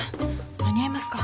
間に合いますか？